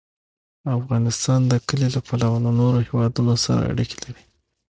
افغانستان د کلي له پلوه له نورو هېوادونو سره اړیکې لري.